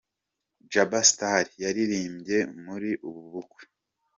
Jaba Star yaririmbye muri ubu bukwe.